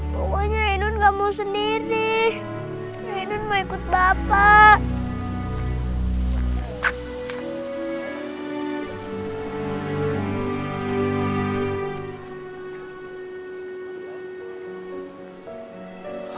pokoknya ainun gak mau sendiri ainun mau ikut bapak